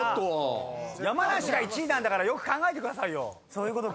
「山梨」が１位なんだからよく考えてくださいよ。